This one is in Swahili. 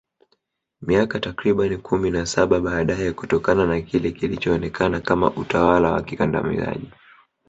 Miaka takriban kumi na Saba baadaye kutokana na kile kilichoonekana kama utawala wa kikandamizaji